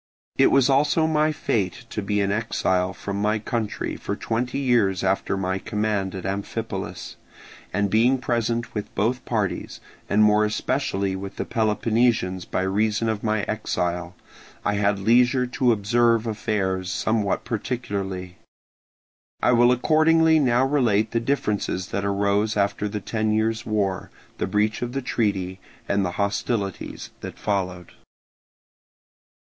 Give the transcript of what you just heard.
It was also my fate to be an exile from my country for twenty years after my command at Amphipolis; and being present with both parties, and more especially with the Peloponnesians by reason of my exile, I had leisure to observe affairs somewhat particularly. I will accordingly now relate the differences that arose after the ten years' war, the breach of the treaty, and the hostilities that followed.